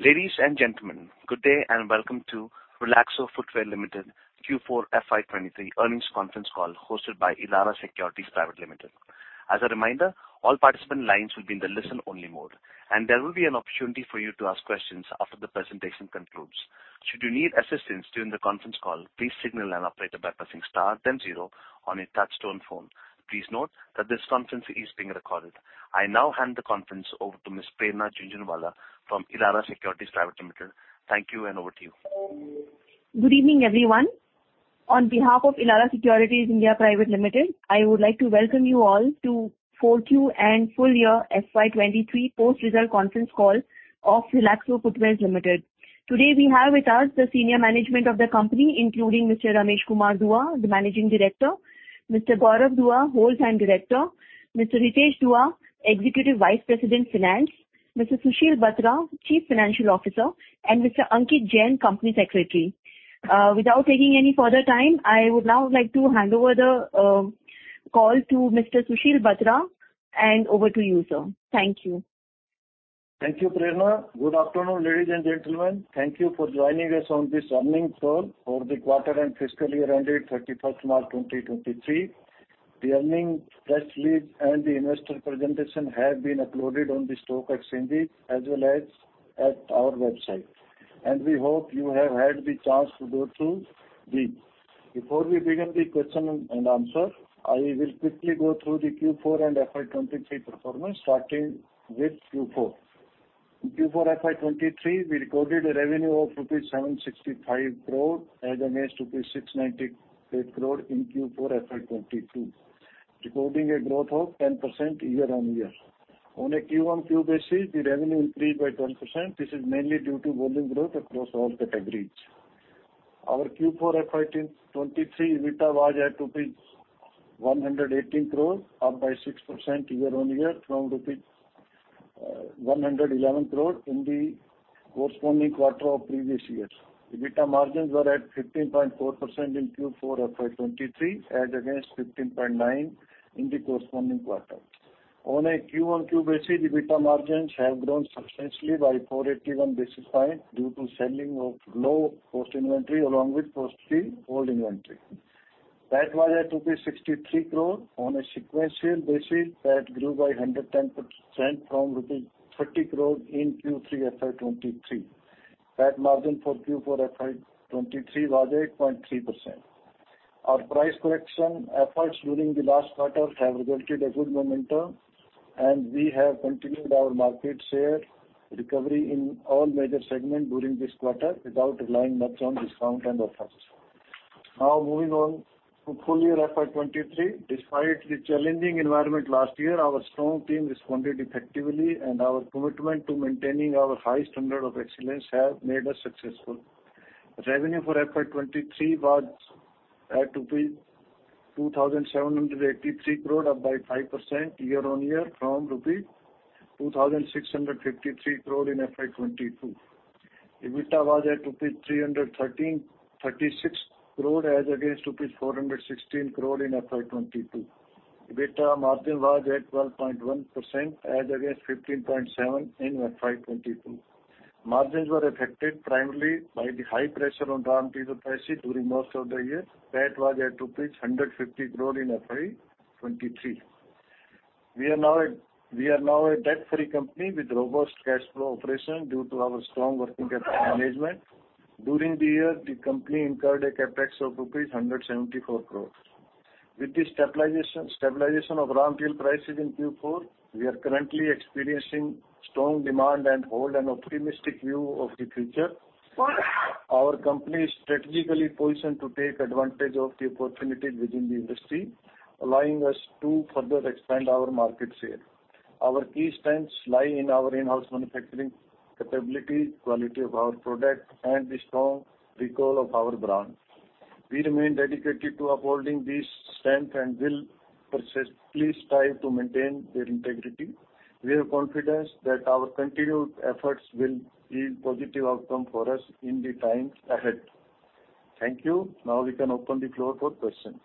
Ladies and gentlemen, good day and welcome to Relaxo Footwears Limited Q4 FY 2023 earnings conference call hosted by Elara Securities Private Limited. As a reminder, all participant lines will be in the listen-only mode, and there will be an opportunity for you to ask questions after the presentation concludes. Should you need assistance during the conference call, please signal an operator by pressing star then zero on your touchtone phone. Please note that this conference is being recorded. I now hand the conference over to Ms. Prerna Jhunjhunwala from Elara Securities Private Limited. Thank you and over to you. Good evening, everyone. On behalf of Elara Securities India Private Limited, I would like to welcome you all to 4Q and full year FY 2023 post-result conference call of Relaxo Footwears Limited. Today, we have with us the senior management of the company, including Mr. Ramesh Kumar Dua, the Managing Director, Mr. Gaurav Dua, Whole-time Director, Mr. Ritesh Dua, Executive Vice President, Finance, Mr. Sushil Batra, Chief Financial Officer, and Mr. Ankit Jain, Company Secretary. Without taking any further time, I would now like to hand over the call to Mr. Sushil Batra. Over to you, sir. Thank you. Thank you, Prerna. Good afternoon, ladies and gentlemen. Thank you for joining us on this earnings call for the quarter and fiscal year ended March 31st, 2023. The earnings press release and the investor presentation have been uploaded on the stock exchanges as well as at our website, we hope you have had the chance to go through these. Before we begin the question and answer, I will quickly go through the Q4 and FY 2023 performance, starting with Q4. In Q4 FY 2023, we recorded a revenue of rupees 765 crore as against rupees 698 crore in Q4 FY 2022, recording a growth of 10% year-on-year. On a Q-on-Q basis, the revenue increased by 10%. This is mainly due to volume growth across all categories. Our Q4 FY 2023 EBITDA was at 118 crore, up by 6% year-on-year from rupees 111 crore in the corresponding quarter of previous years. The EBITDA margins were at 15.4% in Q4 FY 2023 as against 15.9% in the corresponding quarter. On a Q-on-Q basis, the EBITDA margins have grown substantially by 481 basis points due to selling of low cost inventory along with cost free old inventory. PAT was at rupees 63 crore. On a sequential basis, PAT grew by 110% from rupees 30 crore in Q3 FY 2023. PAT margin for Q4 FY 2023 was 8.3%. Our price correction efforts during the last quarter have resulted a good momentum, we have continued our market share recovery in all major segments during this quarter without relying much on discount and offers. Moving on to full year FY 2023. Despite the challenging environment last year, our strong team responded effectively, our commitment to maintaining our high standard of excellence have made us successful. Revenue for FY 2023 was at 2,783 crore, up by 5% year-on-year from rupee 2,653 crore in FY 2022. EBITDA was at INR 313 36 crore as against 416 crore in FY 2022. EBITDA margin was at 12.1% as against 15.7% in FY 2022. Margins were affected primarily by the high pressure on raw material prices during most of the year. PAT was at rupees 150 crore in FY 2023. We are now a debt-free company with robust cash flow operation due to our strong working capital management. During the year, the company incurred a CapEx of rupees 174 crores. With the stabilization of raw material prices in Q4, we are currently experiencing strong demand and hold an optimistic view of the future. Our company is strategically positioned to take advantage of the opportunities within the industry, allowing us to further expand our market share. Our key strengths lie in our in-house manufacturing capability, quality of our product, and the strong recall of our brand. We remain dedicated to upholding this strength and will persistently strive to maintain their integrity. We are confident that our continued efforts will yield positive outcome for us in the times ahead. Thank you. Now we can open the floor for questions.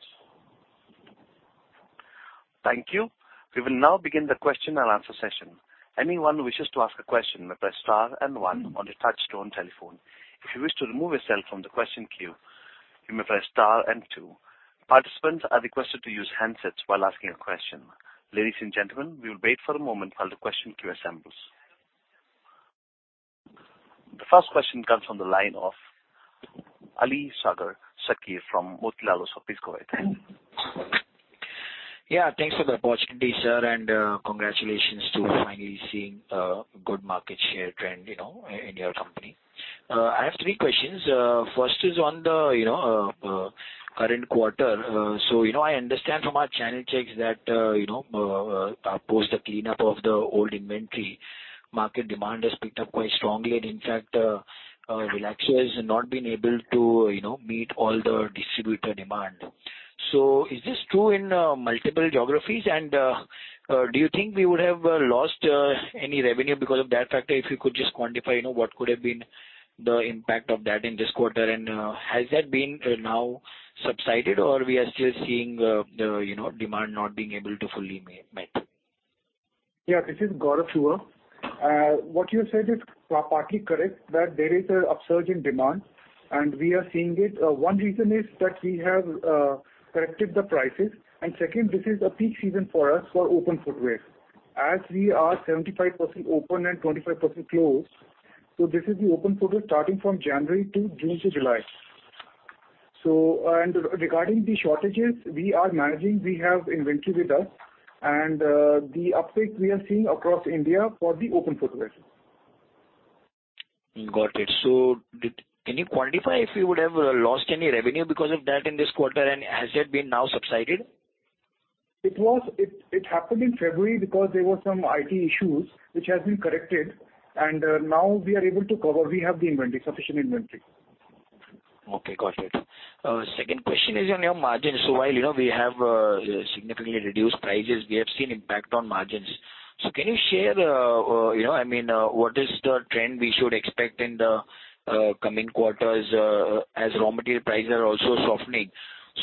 Thank you. We will now begin the question and answer session. Anyone who wishes to ask a question may press star and one on your touchtone telephone. If you wish to remove yourself from the question queue, you may press star and two. Participants are requested to use handsets while asking a question. Ladies and gentlemen, we will wait for a moment while the question queue assembles. The first question comes from the line of Aliasgar Shakir from Motilal Oswal. Yeah, thanks for the opportunity, sir, and congratulations to finally seeing a good market share trend, you know, in your company. I have three questions. First is on the, you know, current quarter. You know, I understand from our channel checks that, you know, post the cleanup of the old inventory, market demand has picked up quite strongly, and in fact, Relaxo has not been able to, you know, meet all the distributor demand. Is this true in multiple geographies, and do you think we would have lost any revenue because of that factor, if you could just quantify, you know, what could have been the impact of that in this quarter. Has that been now subsided or we are still seeing the, you know, demand not being able to fully met? Yeah. This is Gaurav Dua. What you said is partly correct, that there is a upsurge in demand, and we are seeing it. 1 reason is that we have corrected the prices. 2nd, this is a peak season for us for open footwear. We are 75% open and 25% closed, this is the open footwear starting from January to June to July. Regarding the shortages we are managing, we have inventory with us, the uptake we are seeing across India for the open footwear. Got it. Can you quantify if you would have lost any revenue because of that in this quarter, and has that been now subsided? It happened in February because there were some IT issues which has been corrected, and now we are able to cover. We have the inventory, sufficient inventory. Okay. Got it. Second question is on your margins? While, you know, we have significantly reduced prices, we have seen impact on margins. Can you share, you know, I mean, what is the trend we should expect in the coming quarters, as raw material prices are also softening?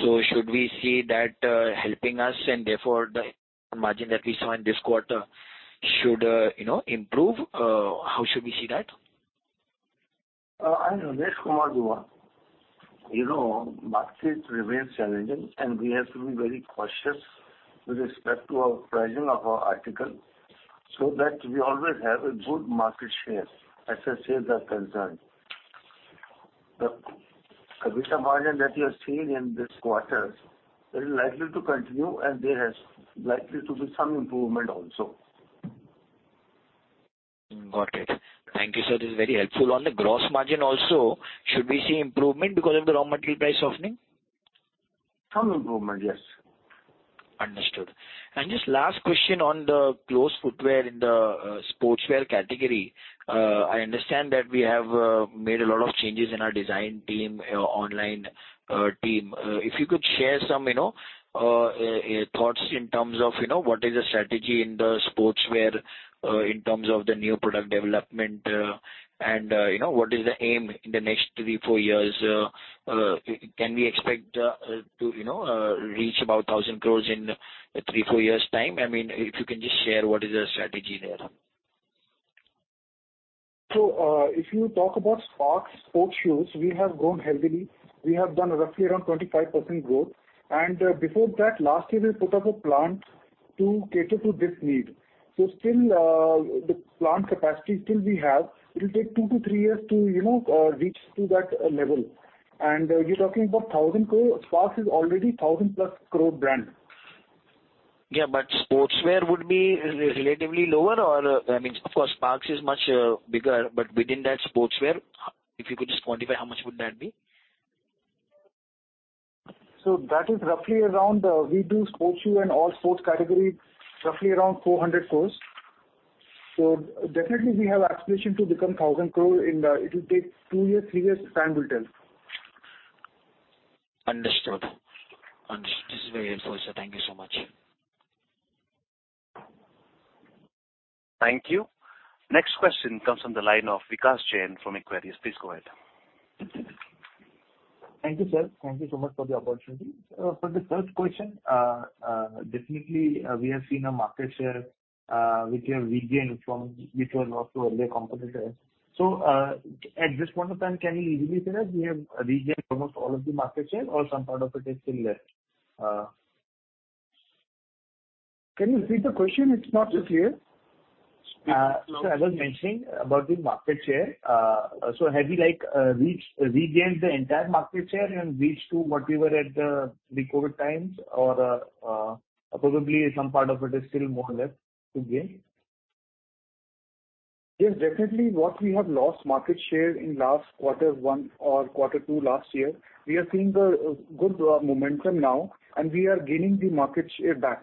Should we see that helping us and therefore the margin that we saw in this quarter should, you know, improve? How should we see that? I'm Ramesh Kumar Dua. You know, market remains challenging, and we have to be very cautious with respect to our pricing of our article so that we always have a good market share as I said are concerned. The EBITDA margin that you are seeing in this quarter is likely to continue, and there is likely to be some improvement also. Got it. Thank you, sir. This is very helpful. On the gross margin also, should we see improvement because of the raw material price softening? Some improvement, yes. Understood. Just last question on the closed footwear in the sportswear category. I understand that we have made a lot of changes in our design team, online team. If you could share some, you know, thoughts in terms of, you know, what is the strategy in the sportswear, in terms of the new product development, and, you know, what is the aim in the next three, four years, can we expect to, you know, reach about 1,000 crores in three, four years time? I mean, if you can just share what is the strategy there. If you talk about Sparx sports shoes, we have grown heavily. We have done roughly around 25% growth. Before that, last year we put up a plant to cater to this need. Still, the plant capacity still we have. It'll take two to three years to, you know, reach to that level. You're talking about 1,000 crore. Sparx is already 1,000-plus crore brand. Yeah, sportswear would be relatively lower or, I mean, of course, Sparx is much bigger, but within that sportswear, if you could just quantify how much would that be. That is roughly around, we do sports shoe and all sports category, roughly around 400 crore. Definitely we have aspiration to become 1,000 crore in the. It will take two years, three years. Time will tell. Understood. This is very helpful, sir. Thank you so much. Thank you. Next question comes from the line of Vikas Jain from Equirus. Please go ahead. Thank you, sir. Thank you so much for the opportunity. For the first question, definitely, we have seen a market share, which we have regained from which were lost to earlier competitors. At this point of time, can we easily say that we have regained almost all of the market share or some part of it is still left? Can you repeat the question? It's not so clear. I was mentioning about the market share. Have you like regained the entire market share and reached to what we were at the COVID times or, probably some part of it is still more or less to gain? Yes, definitely what we have lost market share in last quarter one or quarter two last year, we are seeing a good momentum now, and we are gaining the market share back.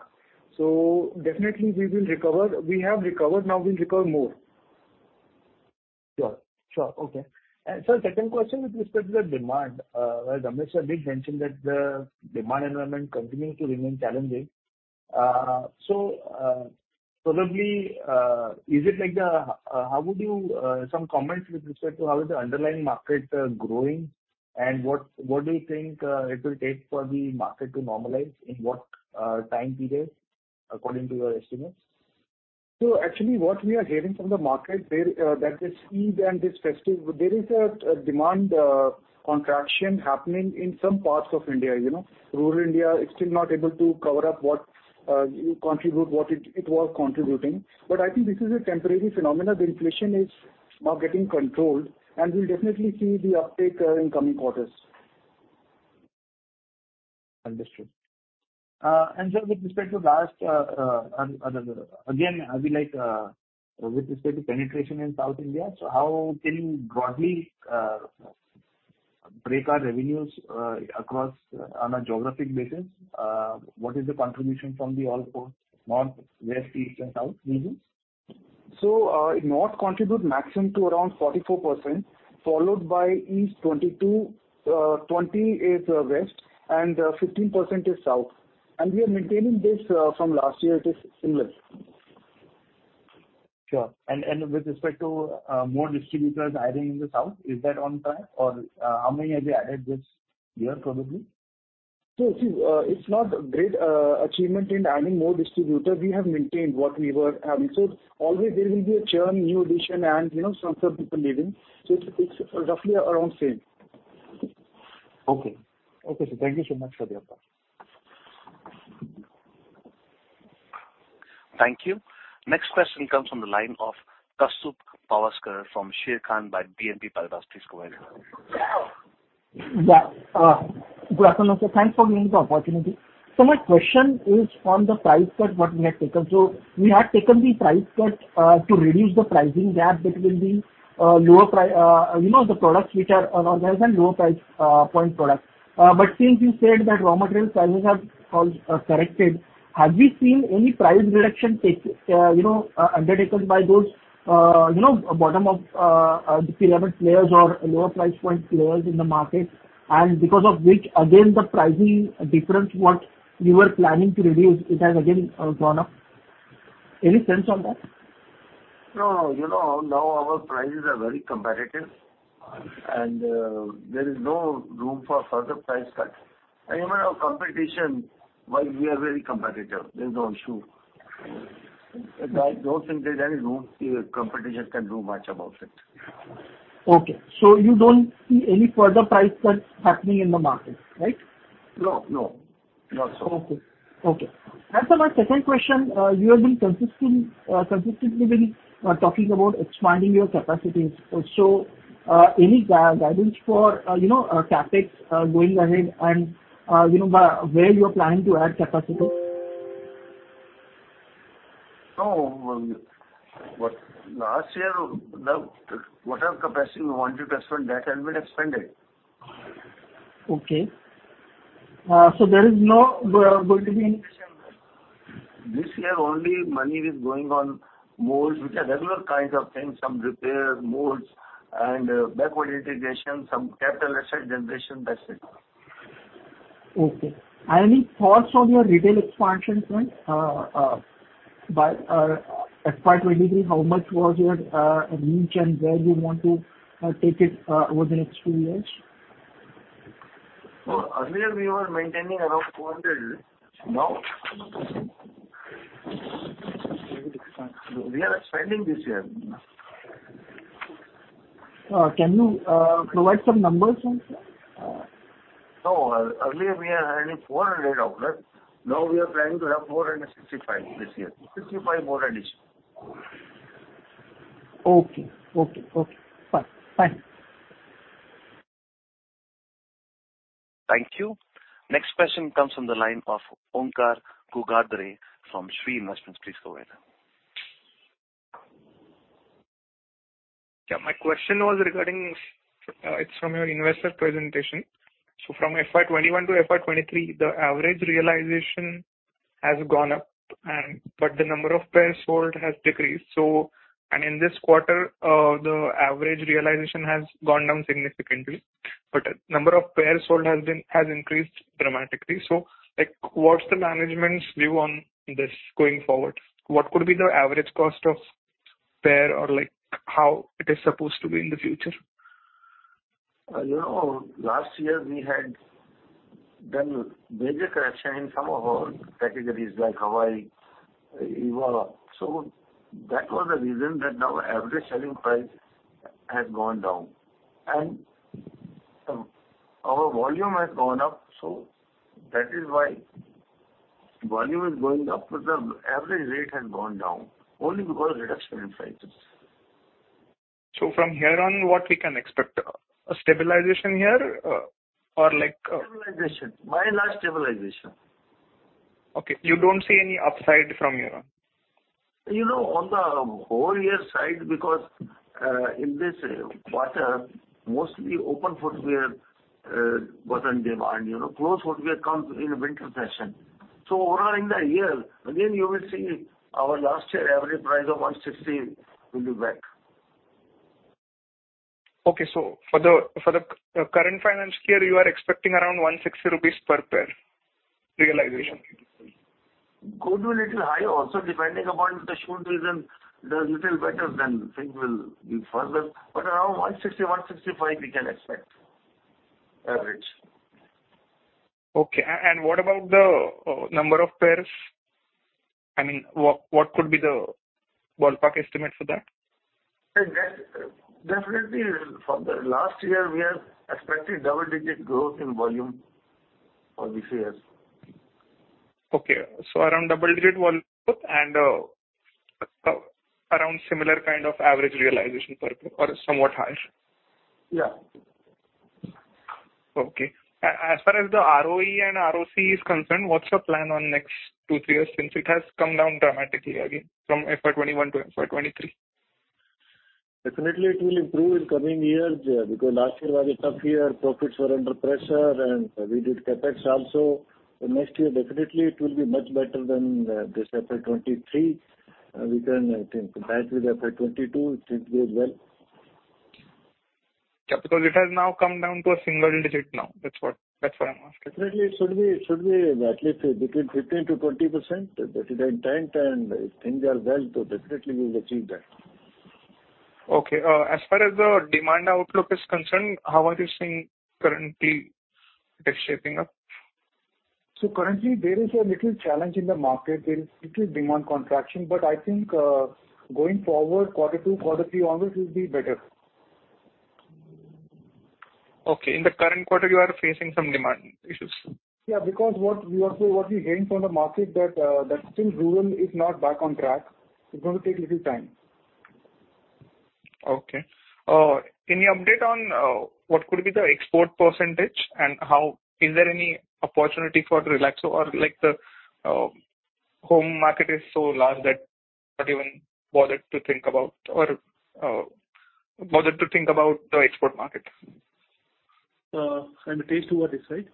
Definitely we will recover. We have recovered. Now we'll recover more. Sure. Sure. Okay. Sir, second question with respect to the demand, where Ramesh sir did mention that the demand environment continues to remain challenging. Probably, is it like the, how would you, some comments with respect to how is the underlying market, growing and what do you think, it will take for the market to normalize, in what, time period, according to your estimates? Actually what we are hearing from the market there, that this Eid and this festive, there is a demand contraction happening in some parts of India, you know. Rural India is still not able to cover up what it was contributing. I think this is a temporary phenomenon. The inflation is now getting controlled, and we'll definitely see the uptake in coming quarters. Understood. Sir, with respect to last, again, I'll be like, with respect to penetration in South India, How can you broadly break our revenues across on a geographic basis? What is the contribution from the all four north, west, east and south regions? north contribute maximum to around 44%, followed by east, 22, 20 is west, and 15% is south. We are maintaining this, from last year, it is similar. Sure. With respect to more distributors adding in the south, is that on time? Or, how many have you added this year probably? See, it's not great achievement in adding more distributors. We have maintained what we were having. Always there will be a churn, new addition, and you know, some people leaving. It's roughly around same. Okay. Okay, sir. Thank you so much for the update. Thank you. Next question comes from the line of Kaustubh Pawaskar from Sharekhan by BNP Paribas. Please go ahead. Good afternoon, sir. Thanks for giving the opportunity. My question is on the price cut what we have taken. We have taken the price cut to reduce the pricing gap between the lower, you know, the products which are on our end, lower price point products. But since you said that raw material prices have all corrected, have we seen any price reduction take, you know, undertaken by those, you know, bottom of tier level players or lower price point players in the market? Because of which, again, the pricing difference what you were planning to reduce, it has again gone up. Any sense on that? No, you know, now our prices are very competitive, and there is no room for further price cut. You may have competition while we are very competitive. There is no issue. I don't think there's any room competition can do much about it. Okay. You don't see any further price cuts happening in the market, right? No, no. Not so. Okay. Okay. As for my second question, you have been consistent, consistently been talking about expanding your capacities also. Any guidance for, you know, CapEx going ahead and, you know, where you're planning to add capacity? No. Last year, whatever capacity we wanted to expand, that has been expanded. Okay. There is no going to be any expansion then? This year only money is going on molds, which are regular kinds of things, some repairs, molds and backward integration, some capital asset generation, that's it. Okay. Any thoughts on your retail expansion front? by FY 2023, how much was your reach and where you want to take it over the next 2 years? Earlier we were maintaining around 400. We are expanding this year. Can you provide some numbers on that? No. Earlier we are having 400 outlets. Now we are planning to have 465 this year. 65 more addition. Okay. Okay. Okay. Fine. Fine. Thank you. Next question comes from the line of Omkar Ghugadre from Shree investments. Please go ahead. Yeah, my question was regarding, it's from your investor presentation. From FY 2021 to FY 2023, the average realization has gone up and but the number of pairs sold has decreased. In this quarter, the average realization has gone down significantly, but number of pairs sold has increased dramatically. Like, what's the management's view on this going forward? What could be the average cost of pair or like how it is supposed to be in the future? You know, last year we had done major correction in some of our categories like Hawai, EVA. That was the reason that now average selling price has gone down. Our volume has gone up, that is why volume is going up, but the average rate has gone down only because reduction in prices. From here on, what we can expect? A stabilization here, or like, Stabilization. Why not stabilization? Okay. You don't see any upside from here on? You know, on the whole year side because, in this quarter, mostly open footwear, was on demand. You know, closed footwear comes in winter fashion. Overall in the year, again, you will see our last year average price of 160 will be back. Okay. For the, for the current finance year, you are expecting around 160 rupees per pair realization? Could be little high also depending upon the shoe season. If it is little better than things will be further, but around 160, 165 we can expect average. Okay. What about the number of pairs? I mean, what could be the ballpark estimate for that? Definitely from the last year we are expecting double digit growth in volume for this year. Okay. Around double digit volume growth and, around similar kind of average realization per pair or somewhat higher? Yeah. Okay. As far as the ROE and ROC is concerned, what's your plan on next two, three years since it has come down dramatically again from FY 2021 to FY 2023? Definitely it will improve in coming years, yeah, because last year was a tough year. Profits were under pressure and we did CapEx also. Next year, definitely it will be much better than this FY 2023. We can, I think, compare it with FY 2022, it did well. Yeah, because it has now come down to a single digit now. That's what I'm asking? Definitely it should be, it should be at least between 15%-20%. That is the intent. If things are well, definitely we'll achieve that. As far as the demand outlook is concerned, how are you seeing currently it is shaping up? Currently there is a little challenge in the market. There is little demand contraction. I think, going forward, quarter two, quarter three onwards will be better. Okay. In the current quarter you are facing some demand issues. Yeah, because what we are seeing, what we're hearing from the market that still rural is not back on track. It's going to take little time. Okay. Can you update on what could be the export percentage and how? Is there any opportunity for Relaxo or like the home market is so large that not even bothered to think about or bothered to think about the export market? I'm attached to what you said.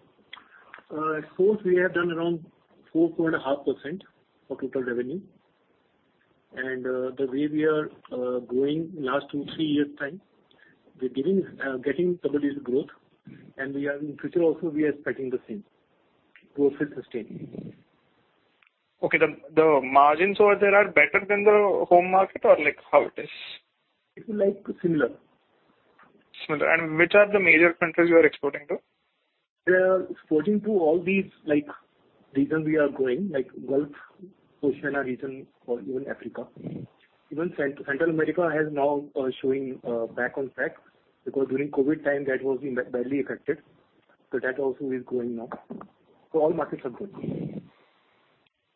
At fourth we have done around 4%-4.5% of total revenue. The way we are going last two to three-year time, we're getting double-digit growth. We are in future also we are expecting the same growth rate sustained. Okay. The margins over there are better than the home market or like how it is? If you like, similar. Similar. Which are the major countries you are exporting to? We are exporting to all these like region we are growing, like Gulf, Oceania region, or even Africa. Even Central America has now showing back on track because during COVID time that was being badly affected. That also is growing now. All markets are good.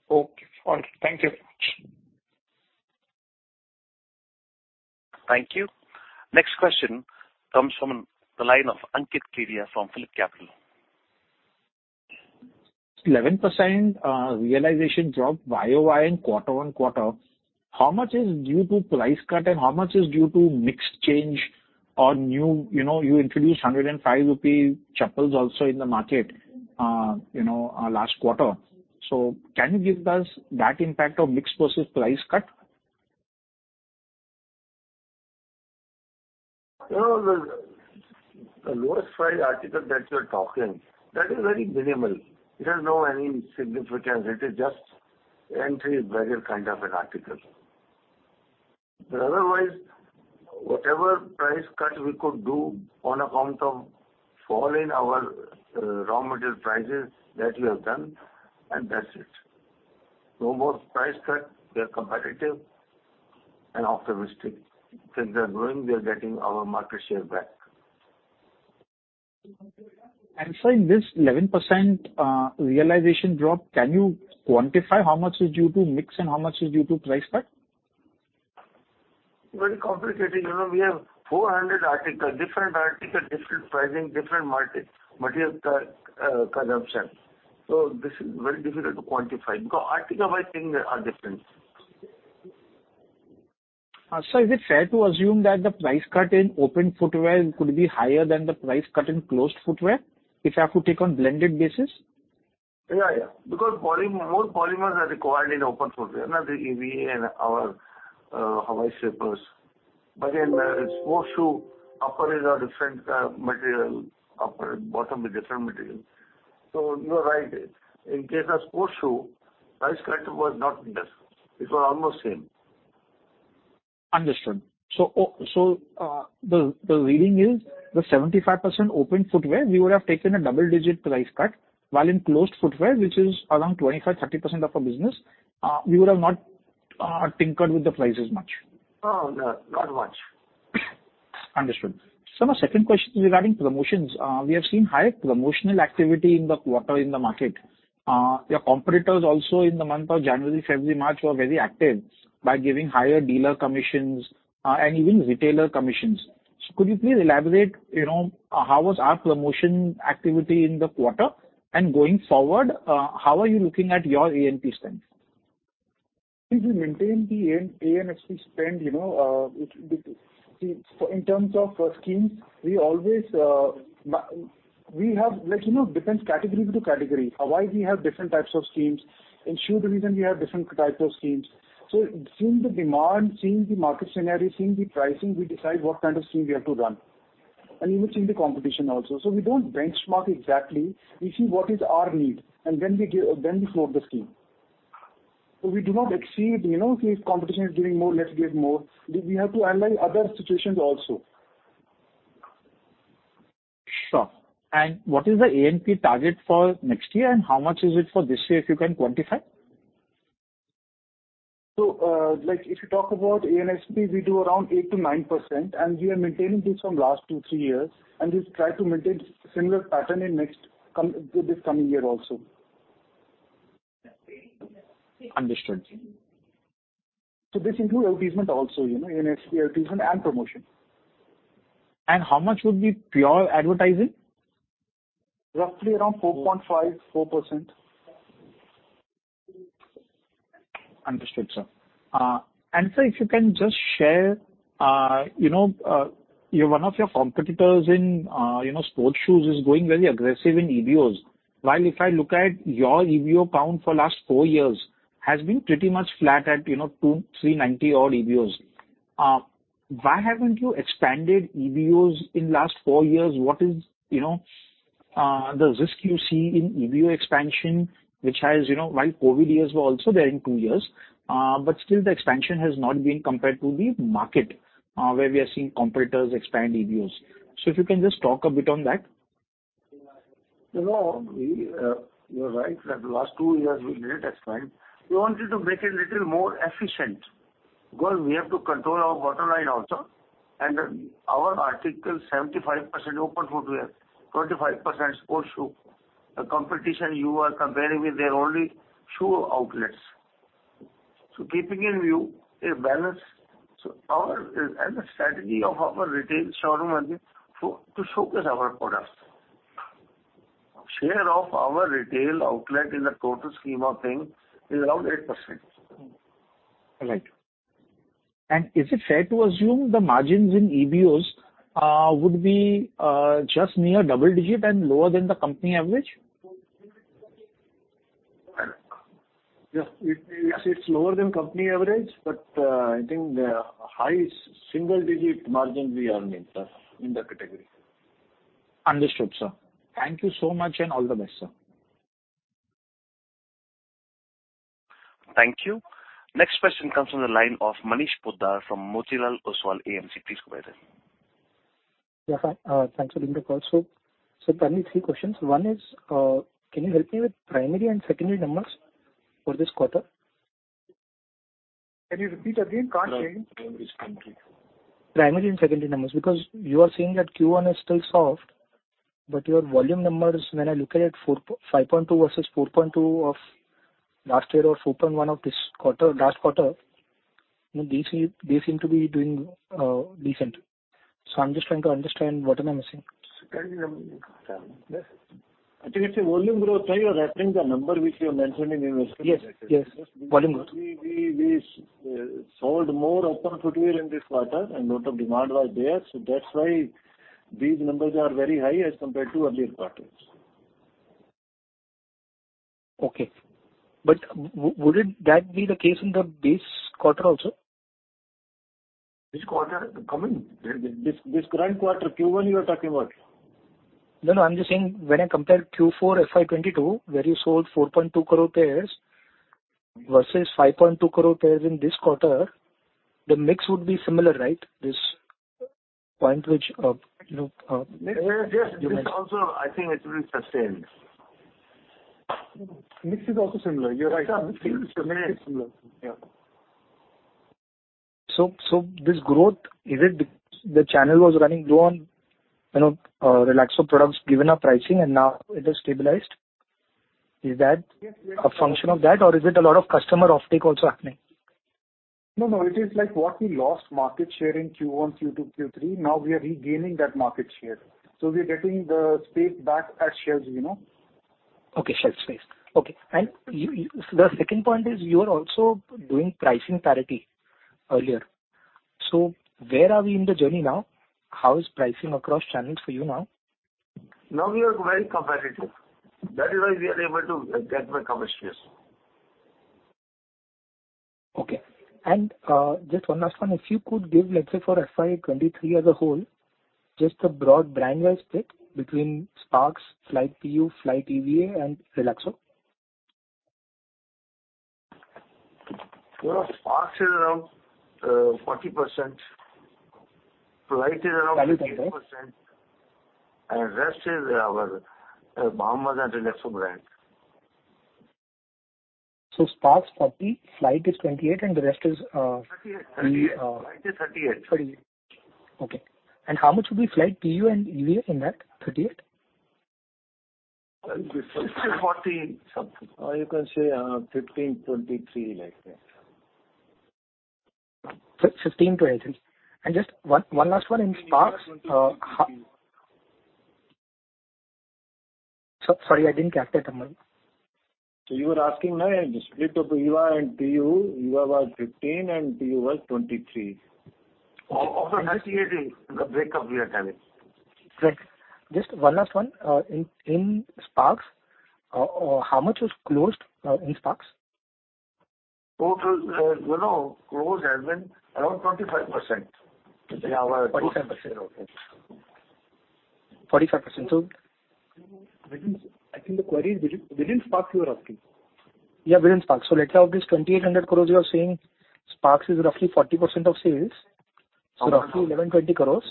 Okay. All right. Thank you. Thank you. Next question comes from the line of Ankit Kedia from PhillipCapital. 11% realization dropped YOY and quarter-on-quarter. How much is due to price cut and how much is due to mix change or new, you know, you introduced 105 rupee chappals also in the market, you know, last quarter? Can you give us that impact of mix versus price cut? No, the lowest price article that you're talking, that is very minimal. It has no any significance. It is just entry barrier kind of an article. Otherwise, whatever price cut we could do on account of fall in our raw material prices, that we have done and that's it. No more price cut. We are competitive and optimistic because we are growing, we are getting our market share back. Sir, in this 11% realization drop, can you quantify how much is due to mix and how much is due to price cut? Very complicated. You know, we have 400 articles, different article, different pricing, different market, material consumption. This is very difficult to quantify because article by thing they are different. Sir, is it fair to assume that the price cut in open footwear could be higher than the price cut in closed footwear, if I have to take on blended basis? Yeah, yeah. Because More polymers are required in open footwear, you know, the EVA and our Hawaii slippers. In sports shoe, upper is a different material, upper and bottom is different material. You are right. In case of sports shoe, price cut was not less. It was almost same. Understood. The reading is the 75% open footwear, we would have taken a double-digit price cut, while in closed footwear, which is around 25%, 30% of our business, we would have not tinkered with the prices much. No, no. Not much. Understood. Sir, my second question is regarding promotions. We have seen higher promotional activity in the quarter in the market. Your competitors also in the month of January, February, March were very active by giving higher dealer commissions, and even retailer commissions. Could you please elaborate, you know, how was our promotion activity in the quarter? Going forward, how are you looking at your A&P spend? We will maintain the A&P spend, you know. See, so in terms of schemes, we always We have like, you know, depends category to category. Hawaii we have different types of schemes. In shoe division we have different types of schemes. Seeing the demand, seeing the market scenario, seeing the pricing, we decide what kind of scheme we have to run. We will see the competition also. We don't benchmark exactly. We see what is our need, and then we give, then we float the scheme. We do not exceed, you know, if competition is giving more, let's give more. We have to analyze other situations also. Sure. What is the A&P target for next year and how much is it for this year, if you can quantify? Like, if you talk about A&P, we do around 8% to 9%, and we are maintaining this from last 2, 3 years. We try to maintain similar pattern in next come, this coming year also. Understood. this include advertisement also, you know, A&P, advertisement and promotion. How much would be pure advertising? Roughly around 4.5%, 4%. Understood, sir. Sir, if you can just share, you know, one of your competitors in, you know, sports shoes is going very aggressive in EBOs. While if I look at your EBO count for last four years has been pretty much flat at, you know, 390 odd EBOs. Why haven't you expanded EBOs in last four years? What is, you know, the risk you see in EBO expansion, which has, you know, while COVID years were also there in two years, but still the expansion has not been compared to the market, where we are seeing competitors expand EBOs? If you can just talk a bit on that. You know, we... You are right that the last two years we didn't expand. We wanted to make it a little more efficient, because we have to control our bottom line also. Our article, 75% open footwear, 25% sports shoe. The competition you are comparing with, they're only shoe outlets. Keeping in view a balance, and the strategy of our retail showroom only to showcase our products. Share of our retail outlet in the total scheme of things is around 8%. All right. Is it fair to assume the margins in EBOs would be just near double digit and lower than the company average? Yes. It's lower than company average, but I think the highest single digit margin we are making, sir, in that category. Understood, sir. Thank you so much, and all the best, sir. Thank you. Next question comes from the line of Manish Poddar from Motilal Oswal AMC. Please go ahead. Yeah, hi. Thanks for taking the call. sir, only three questions. One is, can you help me with primary and secondary numbers for this quarter? Can you repeat again? Can't hear you. Primary and secondary. Primary and secondary numbers, because you are saying that Q1 is still soft, but your volume numbers, when I look at it, 5.2 versus 4.2 of last year or 4.1 of this quarter, last quarter, they seem to be doing decent. I'm just trying to understand what am I missing? Secondary number. Yes. I think it's a volume growth, sir. You are referring the number which you have mentioned in your estimate. Yes. Yes. Volume growth. We sold more open footwear in this quarter and lot of demand was there, so that's why these numbers are very high as compared to earlier quarters. Okay. would that be the case in the base quarter also? Which quarter? Come in. This current quarter, Q1 you are talking about? No, no. I'm just saying when I compare Q4 FY 2022, where you sold 4.2 crore pairs versus 5.2 crore pairs in this quarter, the mix would be similar, right? This point which you. Yes. This also I think it will sustain. Mix is also similar. You're right, sir. Mix is similar. Yeah. This growth, is it the channel was running low on, you know, Relaxo products given our pricing and now it has stabilized? Is that a function of that or is it a lot of customer offtake also happening? No, no. It is like what we lost market share in Q1, Q2, Q3, now we are regaining that market share. We are getting the space back at shelves, you know. Okay. Shelf space. Okay. The second point is you are also doing pricing parity earlier. Where are we in the journey now? How is pricing across channels for you now? Now we are very competitive. That is why we are able to get back our market shares. Okay. Just one last one. If you could give, let's say for FY 2023 as a whole, just a broad brand-wise split between Sparx, Flite PU, Flite EVA and Relaxo? You know, Sparx is around 40%, Flite is around. 28%. 28%, and rest is our Bahamas and Relaxo brand. Sparx 40, Flite is 28, and the rest is. 38. 38. Flite is 38. 38. Okay. How much would be Flite PU and EVA in that 38? It's 14 something. you can say, 15, 23, like that. 15, 23. Just one last one in Sparx. Sir, sorry, I didn't catch that number. You were asking, right, the split of EVA and PU. EVA was 15 and PU was 23. Of the 38 is the breakup we are telling. Right. Just one last one. In Sparx, how much was closed in Sparx? Total, you know, close has been around 25%. Yeah. 45%, okay. 45%. Wait. I think the query is within Sparx you are asking? Yeah, within Sparx. Let's say of this 2,800 crores you are saying Sparx is roughly 40% of sales? Correct. Roughly 1,120 crores.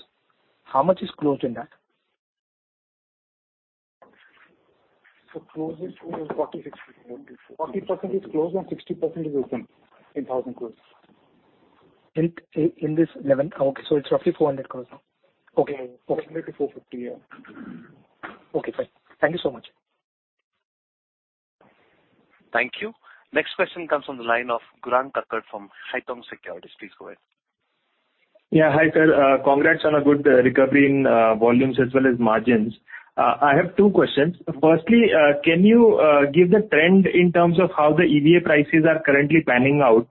How much is closed in that? closed is 46. 40% is closed and 60% is open in 1,000 crores. In this 11... Okay, so it's roughly 400 crores. Okay. Okay. 450, yeah. Okay, fine. Thank you so much. Thank you. Next question comes from the line of Gaurang Kakkad from Haitong Securities. Please go ahead. Yeah. Hi, sir. congrats on a good recovery in volumes as well as margins. I have two questions. Firstly, can you give the trend in terms of how the EVA prices are currently panning out?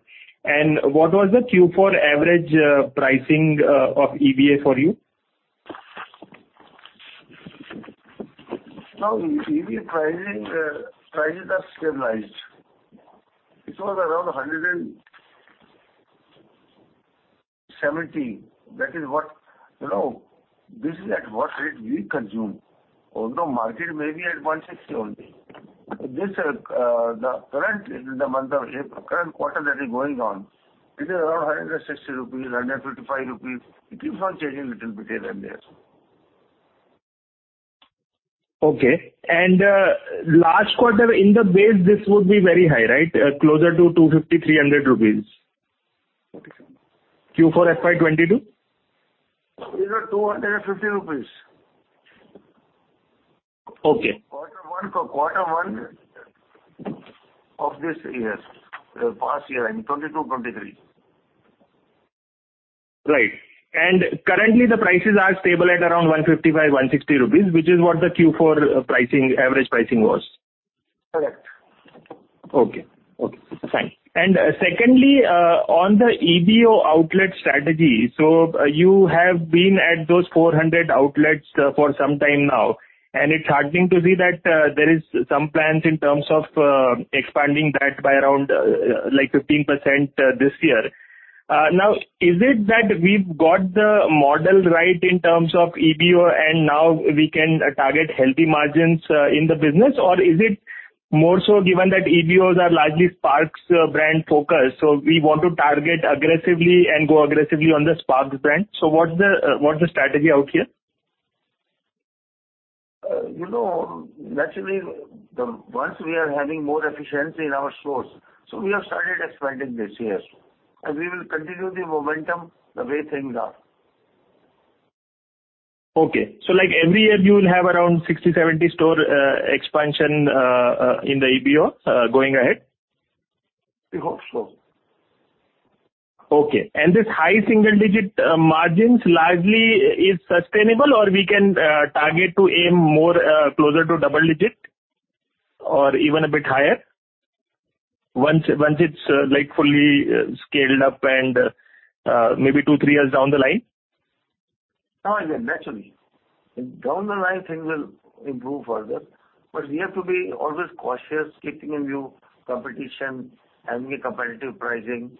What was the Q4 average pricing of EVA for you? No, EB pricing, prices are stabilized. It was around 170. That is what. You know, this is at what rate we consume. Although market may be at 160 only. This, the current, in the month of April, current quarter that is going on, it is around 160 rupees, 155 rupees. It keeps on changing little bit here and there. Okay. last quarter in the base, this would be very high, right? closer to 250, 300 rupees. Okay. Q4 FY 2022. These are 250 rupees. Okay. Quarter one of this year, past year, in 2022, 2023. Right. Currently the prices are stable at around 155, 160 rupees, which is what the Q4 pricing, average pricing was. Correct. Okay. Okay, fine. Secondly, on the EBO outlet strategy. You have been at those 400 outlets for some time now, and it's heartening to see that there is some plans in terms of expanding that by around like 15% this year. Now, is it that we've got the model right in terms of EBO and now we can target healthy margins in the business? Is it more so given that EBOs are largely Sparx brand focused, so we want to target aggressively and go aggressively on the Sparx brand. What's the strategy out here? you know, naturally, once we are having more efficiency in our stores. We have started expanding this year, and we will continue the momentum the way things are. Okay. Like every year, you will have around 60, 70 store expansion in the EBO going ahead. We hope so. Okay. This high single digit margins largely is sustainable, or we can target to aim more closer to double digit or even a bit higher once it's like fully scaled up and maybe two, three years down the line? I mean, naturally. Down the line things will improve further. We have to be always cautious keeping in view competition, having a competitive pricing.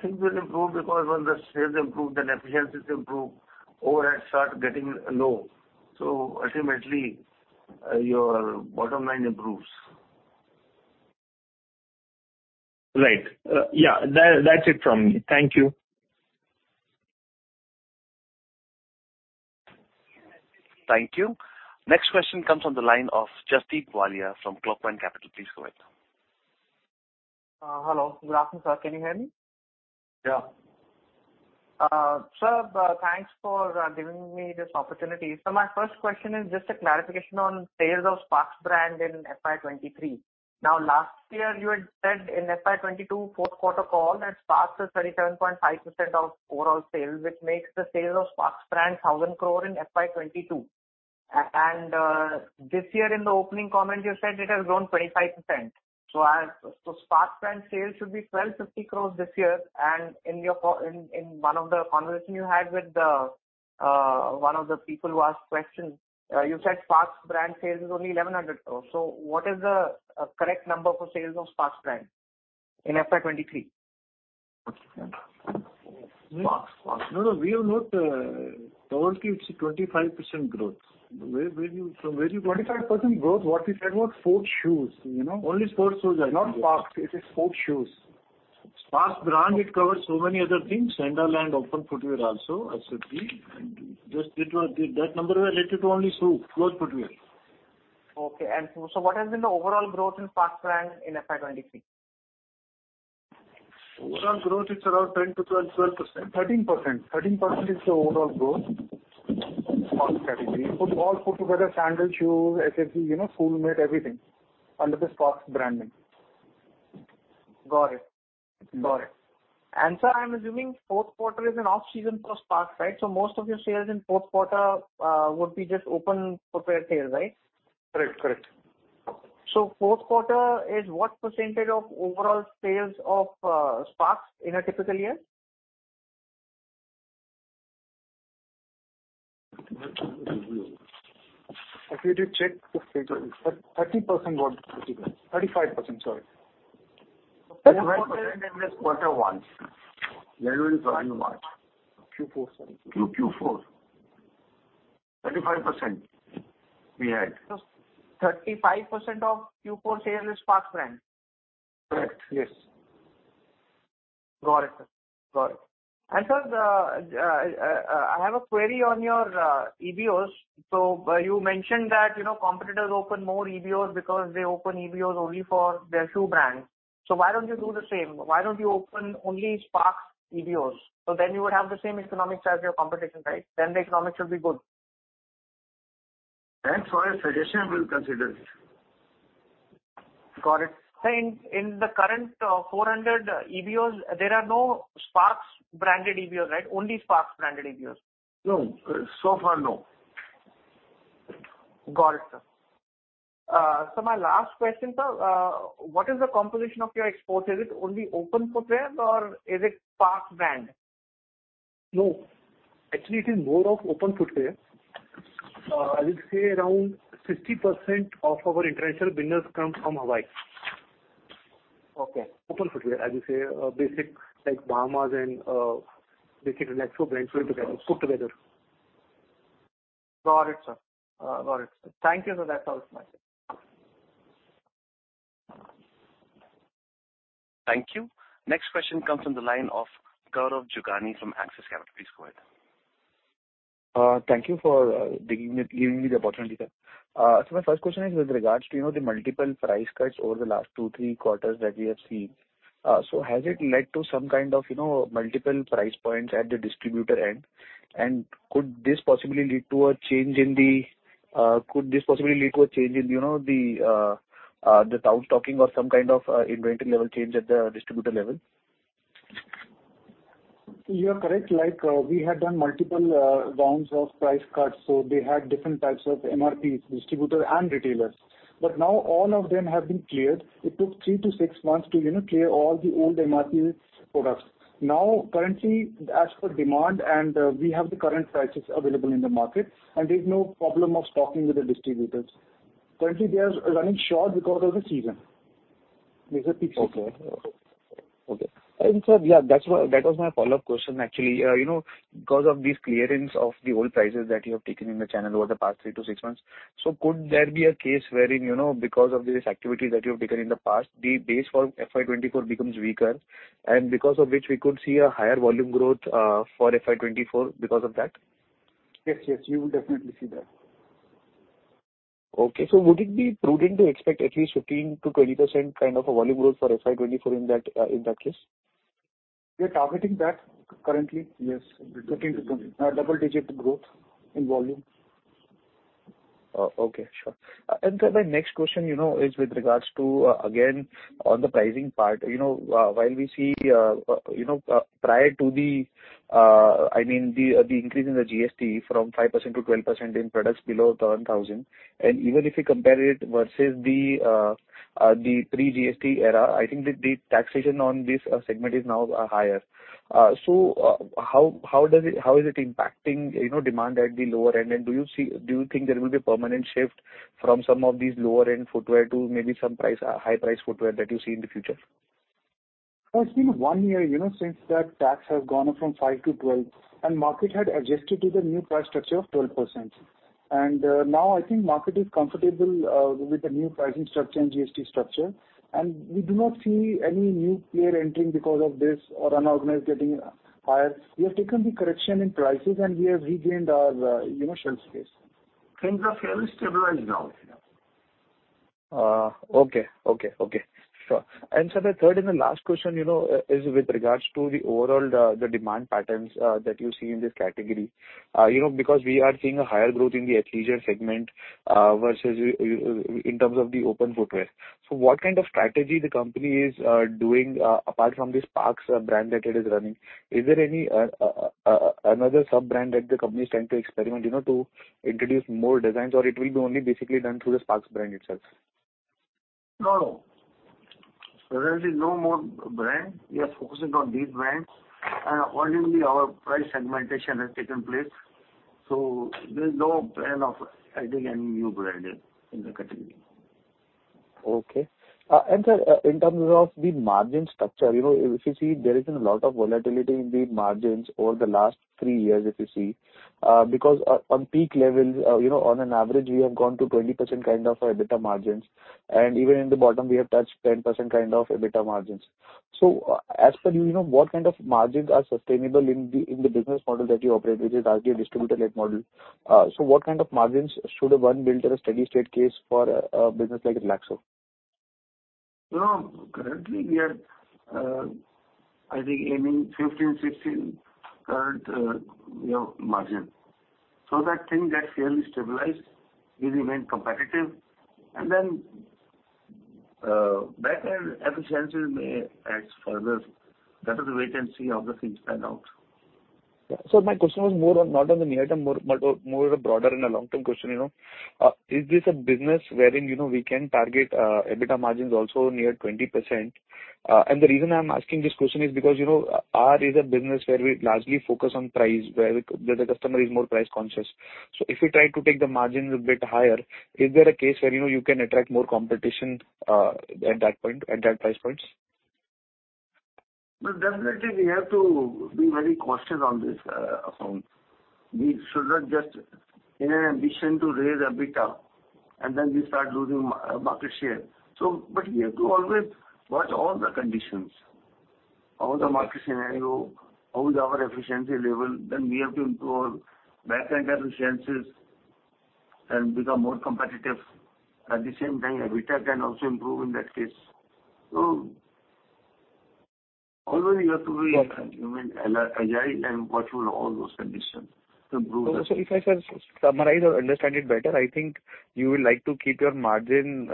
Things will improve because when the sales improve, then efficiencies improve, overheads start getting low. Ultimately, your bottom line improves. Right. Yeah, that's it from me. Thank you. Thank you. Next question comes on the line of Jasdeep Walia from Clockvine Capital. Please go ahead. Hello. Good afternoon, sir. Can you hear me? Yeah. Sir, thanks for giving me this opportunity. My first question is just a clarification on sales of Sparx brand in FY 2023. Last year you had said in FY 2022 fourth quarter call that Sparx is 37.5% of overall sales, which makes the sales of Sparx brand 1,000 crore in FY 2022. This year in the opening comment you said it has grown 25%. Sparx brand sales should be 1,250 crore this year. In one of the conversation you had with the one of the people who asked questions, you said Sparx brand sales is only 1,100 crore. What is the correct number for sales of Sparx brand in FY 2023? Okay. Sparx. No, we have not told you it's a 25% growth. Where? From where you got it? 25% growth, what we said was sports shoes, you know. Only sports shoes. Not Sparx. It is sports shoes. Sparx brand, it covers so many other things. Sandal and open footwear also, SPC. Just That number related to only shoe, closed footwear. Okay. what has been the overall growth in Sparx brand in FY 2023? Overall growth, it's around 10%-12%. 13%. 13% is the overall growth of Sparx category. Put all, put together sandal, shoes, SPC, you know, full made everything under the Sparx branding. Got it. Got it. Sir, I'm assuming 4th quarter is an off-season for Sparx, right? Most of your sales in 4th quarter would be just open footwear sales, right? Correct, correct. fourth quarter is what % of overall sales of Sparx in a typical year? If you did check the figures, 30%. 35%, sorry. 35% in this quarter one. Revenue in quarter one. Q4, sorry. Q4. 35% we had. 35% of Q4 sales is Sparx brand? Correct. Yes. Got it. Got it. Sir, I have a query on your EBOs. You mentioned that, you know, competitors open more EBOs because they open EBOs only for their shoe brand. Why don't you do the same? Why don't you open only Sparx EBOs? You would have the same economics as your competition, right? The economics will be good. Thanks for your suggestion. We'll consider it. Got it. Sir, in the current 400 EBOs, there are no Sparx branded EBOs, right? Only Sparx branded EBOs. No. Far, no. Got it. My last question, sir. What is the composition of your export? Is it only open footwear, or is it Sparx brand? No. Actually, it is more of open footwear. I would say around 60% of our international business comes from Hawaii. Okay. Open footwear, I would say, basic, like Bahamas and, basic natural brands put together. Got it, sir. Got it. Thank you, sir. That's all from my side. Thank you. Next question comes from the line of Gaurav Jogani from Axis Capital. Please go ahead. Thank you for giving me the opportunity, sir. My first question is with regards to, you know, the multiple price cuts over the last two, three quarters that we have seen. Has it led to some kind of, you know, multiple price points at the distributor end? Could this possibly lead to a change in, you know, the town stocking or some kind of inventory level change at the distributor level? You are correct. Like, we had done multiple rounds of price cuts, so they had different types of MRPs, distributors and retailers. Now all of them have been cleared. It took three to six months to, you know, clear all the old MRP products. Now, currently, as for demand, and we have the current prices available in the market, and there's no problem of stocking with the distributors. Currently, they are running short because of the season. There's a peak season. Okay. Okay. Sir, yeah, that was my follow-up question, actually. You know, because of this clearance of the old prices that you have taken in the channel over the past 3-6 months, so could there be a case wherein, you know, because of this activity that you have taken in the past, the base for FY 2024 becomes weaker, and because of which we could see a higher volume growth, for FY 2024 because of that? Yes, yes, you will definitely see that. Okay. Would it be prudent to expect at least 15%-20% kind of a volume growth for FY 2024 in that in that case? We are targeting that currently, yes. Okay. A double digit growth in volume. Oh, okay. Sure. My next question, you know, is with regards to, again, on the pricing part. You know, while we see, you know, prior to the, I mean, the increase in the GST from 5%-12% in products below 1,000. Even if you compare it versus the pre-GST era, I think the taxation on this segment is now higher. How is it impacting, you know, demand at the lower end? Do you think there will be a permanent shift from some of these lower-end footwear to maybe some price, high-priced footwear that you see in the future? It's been one year, you know, since that tax has gone up from 5-12, market had adjusted to the new price structure of 12%. Now I think market is comfortable with the new pricing structure and GST structure. We do not see any new player entering because of this or an organizer getting higher. We have taken the correction in prices, and we have regained our, you know, shelf space. Things are fairly stabilized now. Sure. Sir, the third and the last question, you know, is with regards to the overall, the demand patterns that you see in this category. You know, because we are seeing a higher growth in the athleisure segment versus in terms of the open footwear. What kind of strategy the company is doing apart from the Sparx brand that it is running? Is there any another sub-brand that the company is trying to experiment, you know, to introduce more designs, or it will be only basically done through the Sparx brand itself? No. There is no more brand. We are focusing on these brands. Currently our price segmentation has taken place. There's no plan of adding any new branding in the category. Okay. Sir, in terms of the margin structure, you know, if you see, there has been a lot of volatility in the margins over the last three years, if you see. Because on peak levels, you know, on an average, we have gone to 20% kind of EBITDA margins. Even in the bottom, we have touched 10% kind of EBITDA margins. As per you know, what kind of margins are sustainable in the, in the business model that you operate, which is largely a distributor-led model? What kind of margins should one build as a steady-state case for a business like Relaxo? No. Currently we are, I think aiming 15%, 16% current, you know, margin. That thing gets fairly stabilized. We remain competitive. Then, back end efficiencies may adds further. That is wait and see how the things pan out. Yeah. My question was more on, not on the near term, more on a broader and a long-term question, you know. Is this a business wherein, you know, we can target EBITDA margins also near 20%? And the reason I'm asking this question is because, you know, our is a business where we largely focus on price, where the customer is more price conscious. If we try to take the margins a bit higher, is there a case where, you know, you can attract more competition at that point, at that price points? No, definitely we have to be very cautious on this account. We should not just in an ambition to raise EBITDA, and then we start losing market share. We have to always watch all the conditions, all the market scenario, how is our efficiency level, then we have to improve back end efficiencies and become more competitive. At the same time, EBITDA can also improve in that case. Always you have to be, I mean, agile and watch all those conditions to improve. If I summarize or understand it better, I think you will like to keep your margin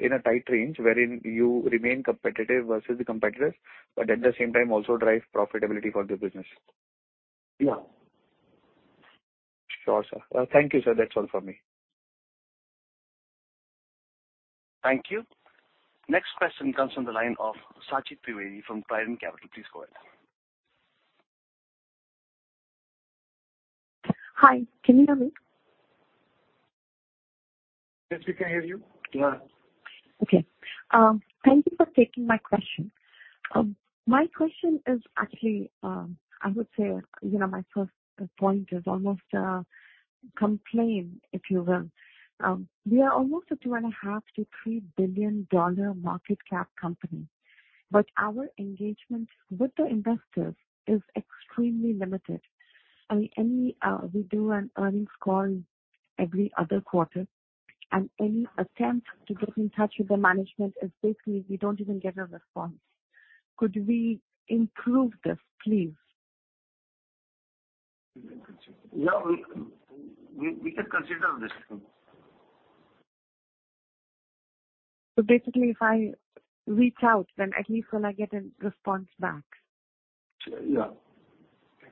in a tight range wherein you remain competitive versus the competitors, but at the same time also drive profitability for the business. Yeah. Sure, sir. Thank you, sir. That's all from me. Thank you. Next question comes from the line of Sachit Dwivedi from Prime Capital. Please go ahead. Hi, can you hear me? Yes, we can hear you. Yeah. Okay. Thank you for taking my question. My question is actually, I would say, you know, my first point is almost a complaint, if you will. We are almost a $2.5 billion-$3 billion market cap company, but our engagement with the investors is extremely limited. I mean, We do an earnings call every other quarter, and any attempt to get in touch with the management is basically we don't even get a response. Could we improve this, please? Yeah, we can consider this. Basically, if I reach out, at least will I get a response back? Yeah.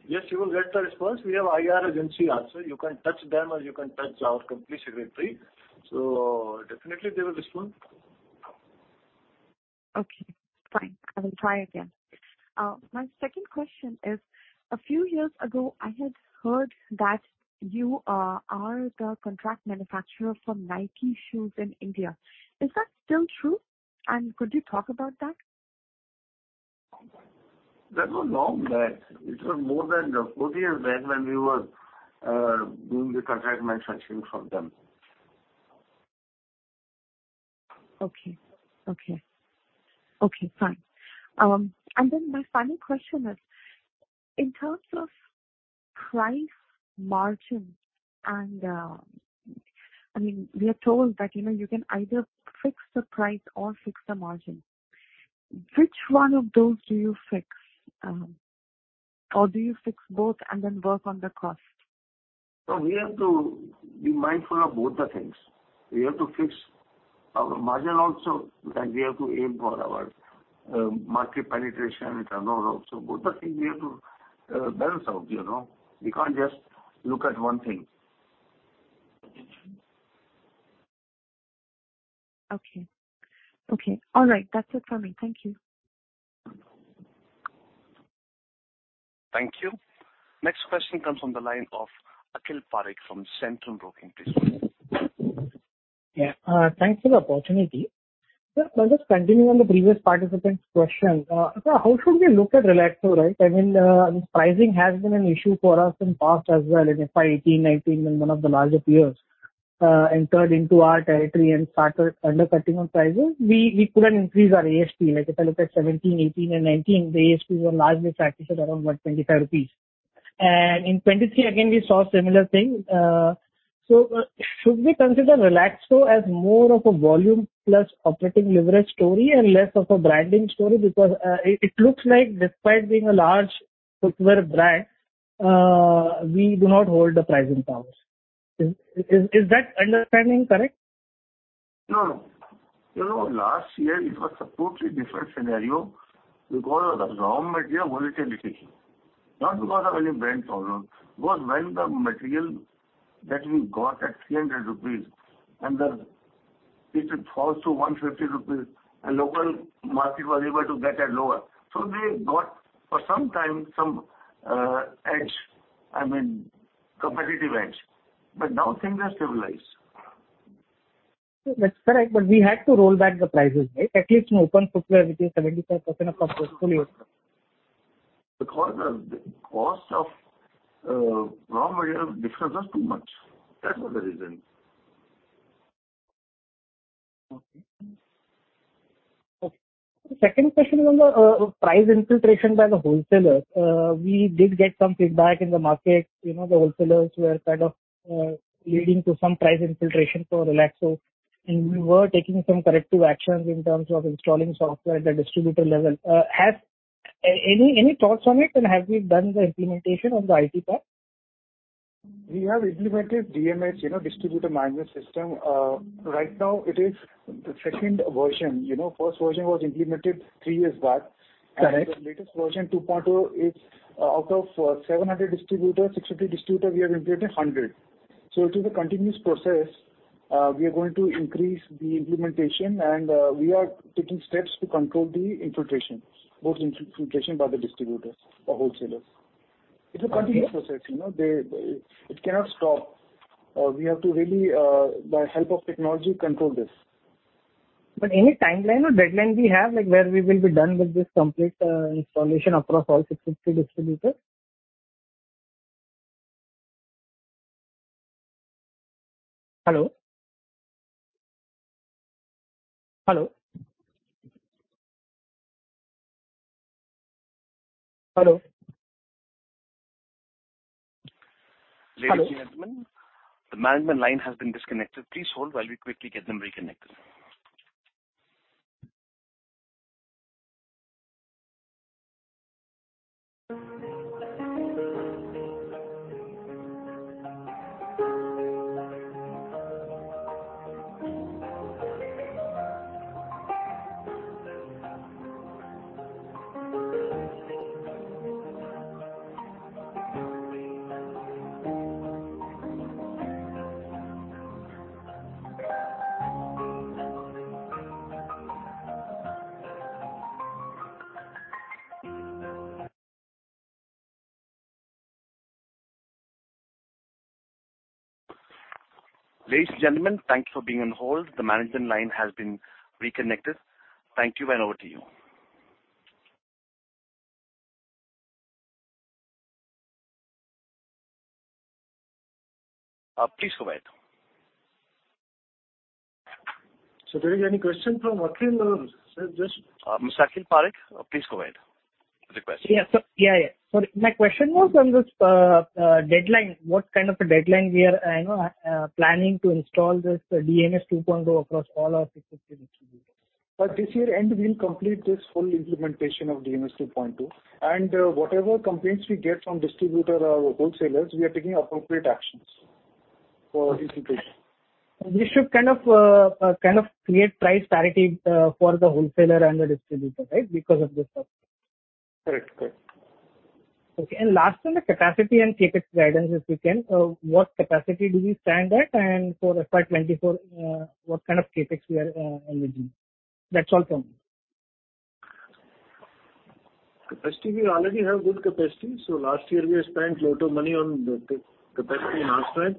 Yes, you will get a response. We have IR agency also. You can touch them or you can touch our company secretary. Definitely they will respond. Okay, fine. I will try again. My second question is, a few years ago, I had heard that you are the contract manufacturer for Nike shoes in India. Is that still true? Could you talk about that? That was long back. It was more than 40 years back when we were doing the contract manufacturing for them. Okay. Okay. Okay, fine. My final question is, in terms of price margin and, I mean, we are told that, you know, you can either fix the price or fix the margin. Which one of those do you fix? Or do you fix both and then work on the cost? We have to be mindful of both the things. We have to fix our margin also, and we have to aim for our market penetration and turnover also. Both the things we have to balance out, you know. We can't just look at one thing. Okay. Okay. All right. That's it for me. Thank you. Thank you. Next question comes from the line of Akhil Parekh from Centrum Broking. Please go ahead. Yeah. Thanks for the opportunity. Sir, just continuing on the previous participant's question. Sir, how should we look at Relaxo, right? I mean, pricing has been an issue for us in past as well. In FY 2018, 2019, when one of the larger peers entered into our territory and started undercutting on prices, we couldn't increase our ASP. Like if I look at 2017, 2018 and 2019, the ASPs were largely flattish at around, what, 25 rupees. In 2023 again we saw similar thing. Should we consider Relaxo as more of a volume plus operating leverage story and less of a branding story? It looks like despite being a large footwear brand, we do not hold the pricing powers. Is that understanding correct? No. You know, last year it was a totally different scenario because of the raw material volatility, not because of any brand problem. When the material that we got at 300 rupees, and then if it falls to 150 rupees, and local market was able to get at lower. They got for some time some edge, I mean, competitive edge. Now things are stabilized. That's correct. We had to roll back the prices, right? At least in open footwear, which is 75% of our portfolio. The cost of raw material differs us too much. That was the reason. Okay. Second question is on the price infiltration by the wholesalers. We did get some feedback in the market. You know, the wholesalers were kind of leading to some price infiltration for Relaxo, and we were taking some corrective actions in terms of installing software at the distributor level. Any thoughts on it, and have we done the implementation on the IT part? We have implemented DMS, you know, Distributor Management System. Right now it is the 2nd version. You know, 1st version was implemented 3 years back. Correct. The latest version, 2.0, is out of 700 distributors, 650 distributors, we have implemented 100. It is a continuous process. We are going to increase the implementation, and we are taking steps to control the infiltrations, both in-infiltration by the distributors or wholesalers. It's a continuous process, you know. It cannot stop. We have to really, by help of technology, control this. any timeline or deadline we have, like where we will be done with this complete installation across all 650 distributors? Hello? Ladies and gentlemen, the management line has been disconnected. Please hold while we quickly get them reconnected. Ladies and gentlemen, thank you for being on hold. The management line has been reconnected. Thank you, and over to you. Please go ahead. there is any question from Akhil or sir? Akhil Parekh, please go ahead with the question. Yeah. Sorry. My question was on this deadline. What kind of a deadline we are, you know, planning to install this DMS 2.0 across all our 650 distributors? By this year end, we'll complete this full implementation of DMS 2.2. Whatever complaints we get from distributor or wholesalers, we are taking appropriate actions for this situation. This should kind of create price parity for the wholesaler and the distributor, right? Because of this Correct. Correct. Okay. Last on the capacity and CapEx guidance, if we can. What capacity do we stand at? For FY 2024, what kind of CapEx we are envisioning? That's all from me. Capacity, we already have good capacity. Last year we spent lot of money on the capacity enhancement.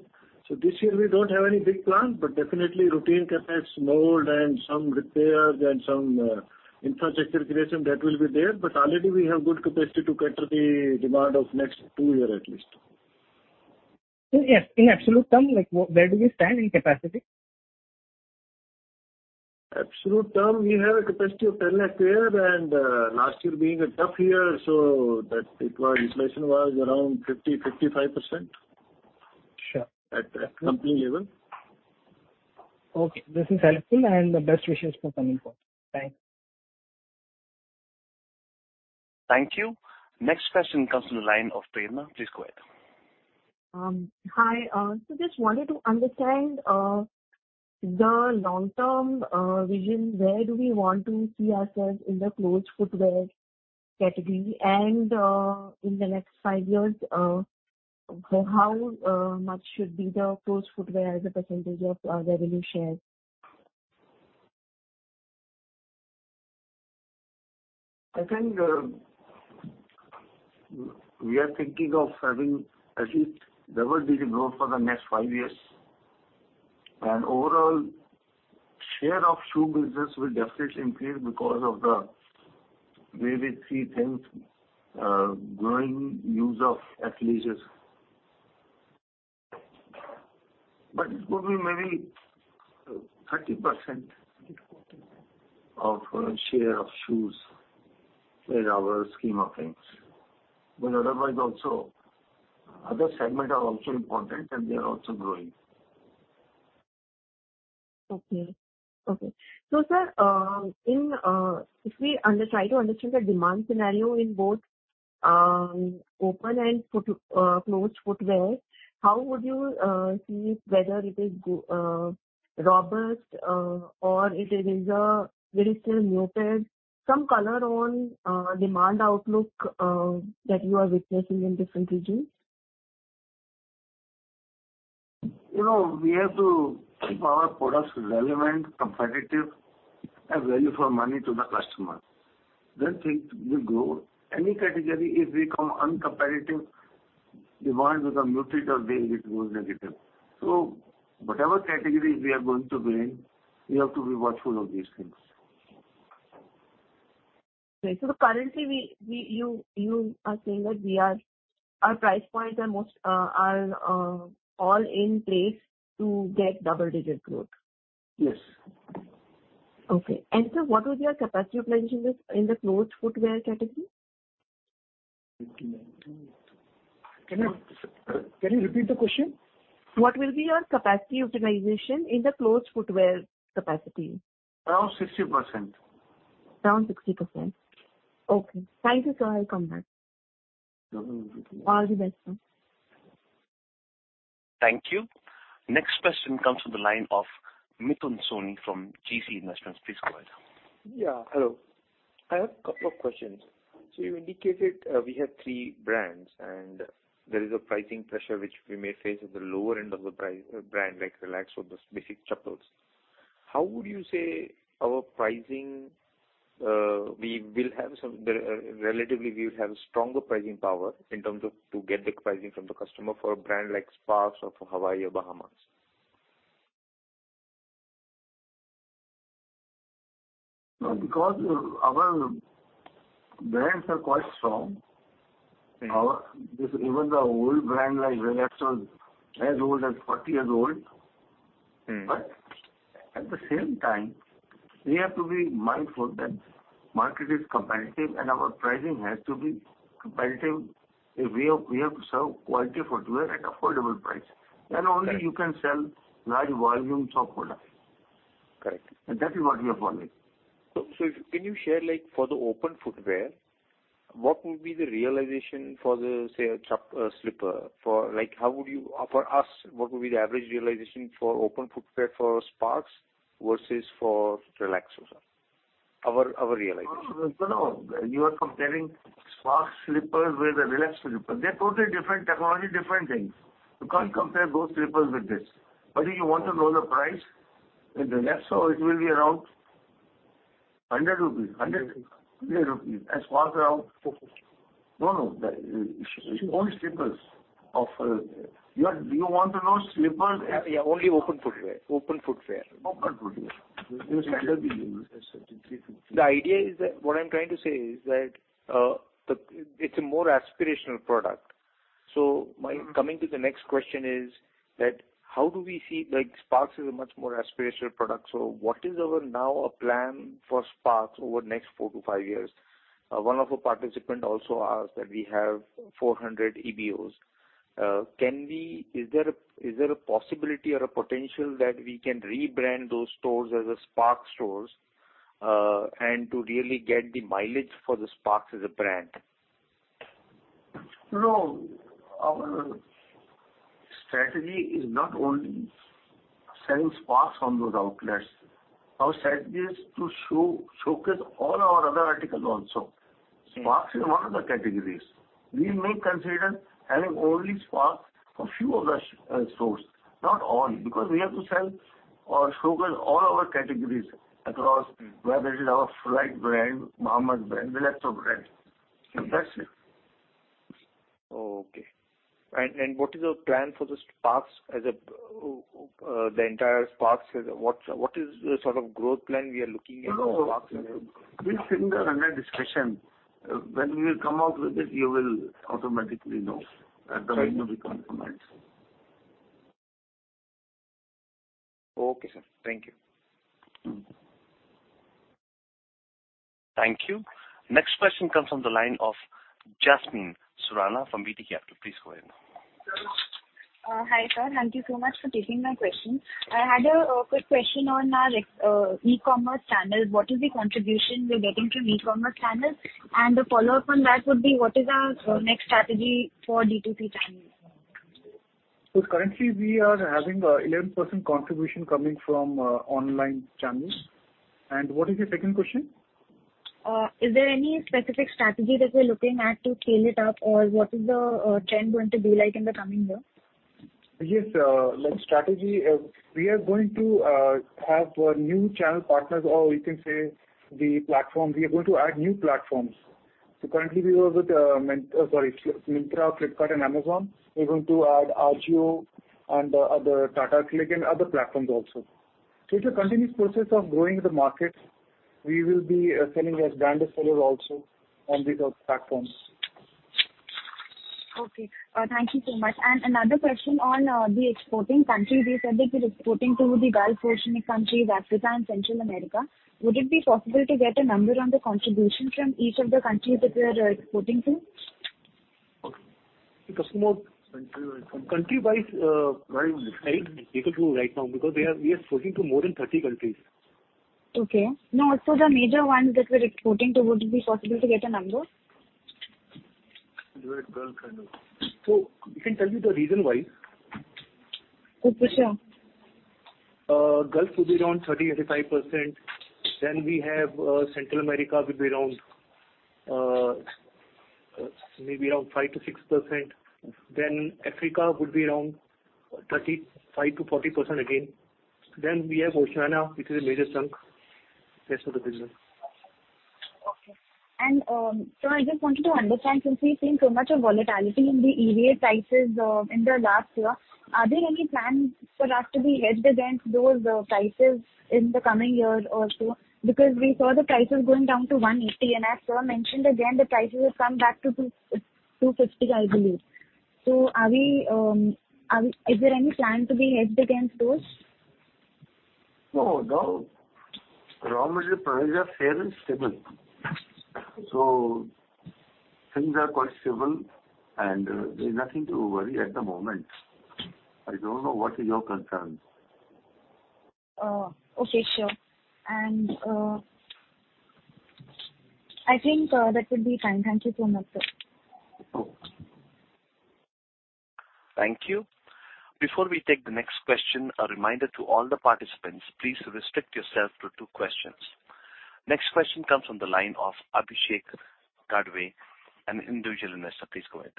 This year we don't have any big plan, but definitely routine CapEx, mold, and some repairs and some infrastructure creation that will be there. Already we have good capacity to cater the demand of next two year at least. Yes, in absolute term, like, where do we stand in capacity? Absolute term, we have a capacity of 10 lakh pair, last year being a tough year, so that it was utilization was around 50%-55%. Sure. At company level. Okay, this is helpful and best wishes for coming quarter. Thanks. Thank you. Next question comes to the line of Prerna. Please go ahead. Hi. just wanted to understand the long-term vision. Where do we want to see ourselves in the closed footwear category? In the next five years, how much should be the closed footwear as a % of revenue share? I think, we are thinking of having at least double-digit growth for the next five years. Overall share of shoe business will definitely increase because of the way we see things, growing use of athleisure. It could be maybe, 30% of share of shoes in our scheme of things. Otherwise also, other segment are also important and they are also growing. Okay. Sir, in, if we try to understand the demand scenario in both, open and closed footwear, how would you see whether it is robust or it is a very still muted? Some color on demand outlook that you are witnessing in different regions. You know, we have to keep our products relevant, competitive and value for money to the customer, things will grow. Any category, if we become uncompetitive, demand become muted or it goes negative. Whatever category we are going to be in, we have to be watchful of these things. Okay. currently we, you are saying that our price points are most, all in place to get double-digit growth. Yes. Okay. Sir, what was your capacity utilization in the closed footwear category? Can you repeat the question? What will be your capacity utilization in the closed footwear capacity? Around 60%. Around 60%. Okay. Thank you, sir. I'll come back. Double-digit growth. All the best, sir. Thank you. Next question comes from the line of Mithun Soni from GeeCee Investments. Please go ahead. Hello. I have couple of questions. You indicated, we have three brands and there is a pricing pressure which we may face at the lower end of the price, brand, like Relaxo, the basic chappals. How would you say our pricing, we will have some, relatively we'll have stronger pricing power in terms of to get the pricing from the customer for a brand like Sparx or Hawaii or Bahamas? No, because our brands are quite strong. Okay. Even the old brand like Relaxo is as old as 40 years old. Mm-hmm. At the same time, we have to be mindful that market is competitive and our pricing has to be competitive. We have to sell quality footwear at affordable price. Right. Only you can sell large volumes of product. Correct. That is what we are following. If, can you share, like, for the open footwear, what would be the realization for the, say, a slipper? For, like, how would you... for us, what would be the average realization for open footwear for Sparx versus for Relaxo, sir? Our realization. No, no. You are comparing Sparx slippers with the Relax slippers. They're totally different technology, different things. You can't compare those slippers with this. If you want to know the price, with the Relax, so it will be around 100 rupees. 100 rupees. 100 rupees. Sparx around. INR 450. No, no. The own slippers of, Do you want to know slippers- Yeah, only open footwear. Open footwear. Open footwear. The idea is that what I'm trying to say is that, it's a more aspirational product. Mm-hmm. coming to the next question is that how do we see... Like, Sparx is a much more aspirational product, so what is our now plan for Sparx over the next 4-5 years? One of the participant also asked that we have 400 EBOs. Is there a possibility or a potential that we can rebrand those stores as a Sparx stores, and to really get the mileage for the Sparx as a brand? No, our strategy is not only selling Sparx on those outlets. Our strategy is to showcase all our other articles also. Okay. Sparx is one of the categories. We may consider having only Sparx a few of the stores, not all, because we have to sell or showcase all our categories across- Mm-hmm. Whether it is our Flite brand, Boston brand, Relaxo brand. That's it. Oh, okay. What is your plan for the entire Sparx as a... What is the sort of growth plan we are looking at for Sparx? No, no. We're sitting there under discussion. When we will come out with it, you will automatically know at the time of the conference. Okay, sir. Thank you. Mm-hmm. Thank you. Next question comes from the line of Jasmin Surana from BTG Pactual. Please go ahead. Hi, sir. Thank you so much for taking my question. I had a quick question on our e-commerce channels. What is the contribution we're getting through e-commerce channels? A follow-up on that would be what is our next strategy for D2C channels? currently we are having, 11% contribution coming from, online channels. What is your second question? Is there any specific strategy that we're looking at to scale it up, or what is the trend going to be like in the coming year? Like strategy, we are going to have new channel partners, or we can say the platform. We are going to add new platforms. Currently we work with Myntra, Flipkart and Amazon. We're going to add AJIO and other Tata CLiQ and other platforms also. It's a continuous process of growing the market. We will be selling as brand seller also on these platforms. Okay. Thank you so much. Another question on the exporting country. You said that you're exporting to the Gulf, oceanic countries, Africa and Central America. Would it be possible to get a number on the contribution from each of the countries that we are exporting to? Okay. It was. Countrywise. Countrywise. Very difficult. Very difficult right now because we are exporting to more than 30 countries. Okay. No, the major ones that we're exporting to, would it be possible to get a number? You write Gulf and all. We can tell you the region-wise. Oh, sure. Gulf will be around 30%-35%. We have Central America will be around maybe around 5%-6%. Africa would be around 35%-40% again. We have Oceania, which is a major chunk, rest of the business. Okay. I just wanted to understand since we've seen so much of volatility in the EVA prices in the last year, are there any plans for us to be hedged against those prices in the coming year or so? Because we saw the prices going down to 180, and as sir mentioned, again, the prices have come back to 250, I believe. Is there any plan to be hedged against those? No, no. Raw material prices are fair and stable. Things are quite stable and there's nothing to worry at the moment. I don't know what is your concerns. Okay. Sure. I think, that would be fine. Thank you so much, sir. Okay. Thank you. Before we take the next question, a reminder to all the participants, please restrict yourself to two questions. Next question comes from the line of, an individual investor. Please go ahead.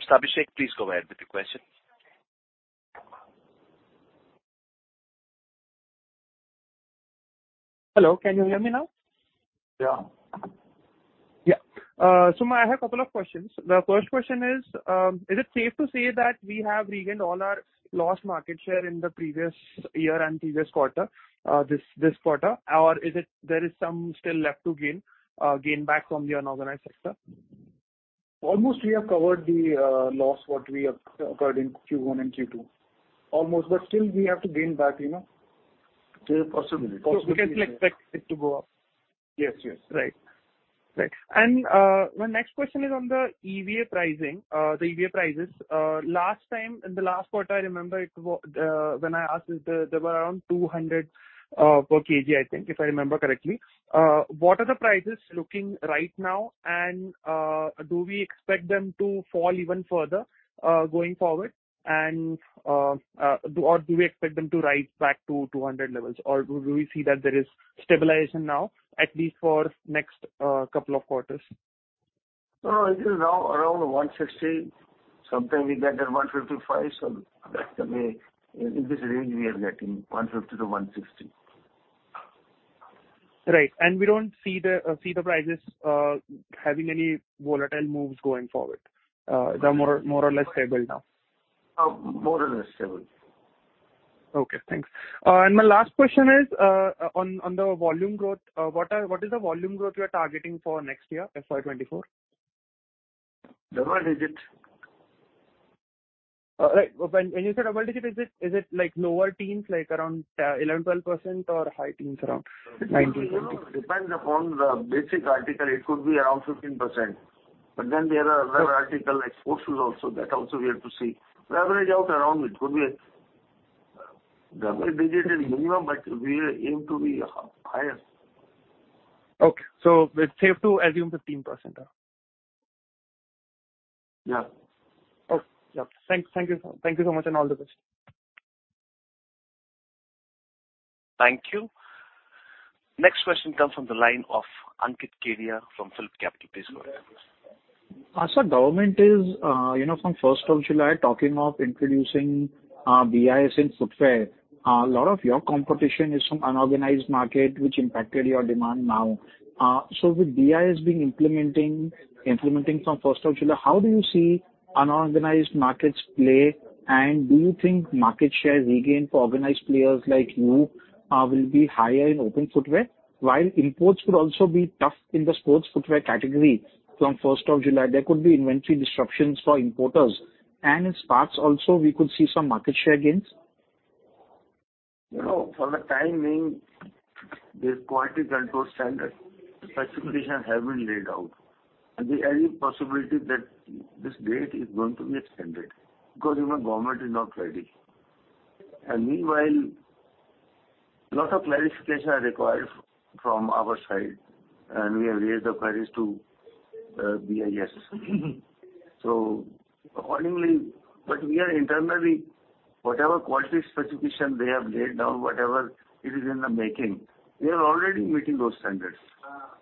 Mr. Abhishek, please go ahead with your question. Hello, can you hear me now? Yeah. Yeah. I have a couple of questions. The first question is it safe to say that we have regained all our lost market share in the previous year and previous quarter, this quarter? Or is it there is some still left to gain back from the unorganized sector? Almost we have covered the loss what we have occurred in Q1 and Q2. Almost, but still we have to gain back, you know. There is a possibility. Possibility is there. We can expect it to go up. Yes, yes. Right. My next question is on the EVA pricing, the EVA prices. Last time, in the last quarter, I remember when I asked this, there were around 200 per kg, I think, if I remember correctly. What are the prices looking right now? Do we expect them to fall even further going forward? Do we expect them to rise back to 200 levels? Or do we see that there is stabilization now, at least for next couple of quarters? No, it is now around 160. Sometimes we get at 155, so that's the way. In this range we are getting, 150-160. Right. We don't see the prices having any volatile moves going forward? They're more or less stable now? more or less stable. Okay, thanks. My last question is, on the volume growth. What is the volume growth you are targeting for next year, FY 2024? Double digits. All right. When you say double digits, is it like lower teens, like around 11%, 12% or high teens around 19%, 20%? Depends upon the basic article. It could be around 15%. There are other article like sports shoes also. That also we have to see. The average out around it could be double digits is minimum, but we aim to be higher. Okay. it's safe to assume 15%. Yeah. Okay. Yeah. Thank you. Thank you so much and all the best. Thank you. Next question comes from the line of Ankit Kedia from PhillipCapital. Please go ahead. Sir, government is, you know, from 1st of July, talking of introducing BIS in footwear. A lot of your competition is from unorganized market, which impacted your demand now. With BIS being implementing from July 1st, how do you see unorganized markets play? Do you think market share regained for organized players like you, will be higher in open footwear? While imports could also be tough in the sports footwear category from 1st of July, there could be inventory disruptions for importers. In Sparx also we could see some market share gains. You know, for the time being, this quality control standard specifications have been laid out, and there is possibility that this date is going to be extended because, you know, government is not ready. Meanwhile, lot of clarifications are required from our side, and we have raised the queries to BIS. Accordingly, we are internally, whatever quality specification they have laid down, whatever it is in the making, we are already meeting those standards.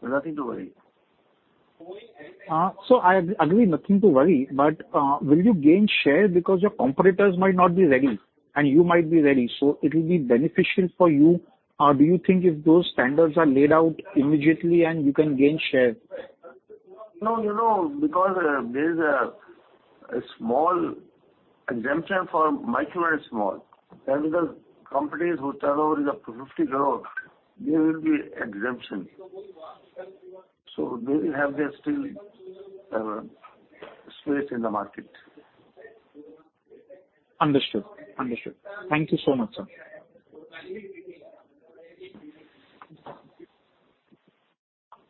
Nothing to worry. I agree, nothing to worry, will you gain share because your competitors might not be ready and you might be ready, it will be beneficial for you? Do you think if those standards are laid out immediately and you can gain share? No, you know, because there is a small exemption for micro and small. The companies whose turnover is up to INR 50 crores, there will be exemption. They will have their still space in the market. Understood. Understood. Thank you so much, sir.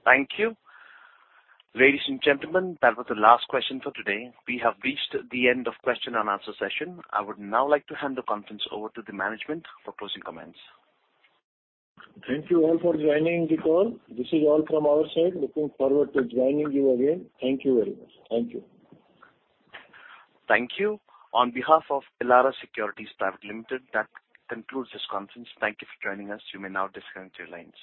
Thank you. Ladies and gentlemen, that was the last question for today. We have reached the end of question and answer session. I would now like to hand the conference over to the management for closing comments. Thank you all for joining the call. This is all from our side. Looking forward to joining you again. Thank you very much. Thank you. Thank you. On behalf of Elara Securities Private Limited, that concludes this conference. Thank you for joining us. You may now disconnect your lines.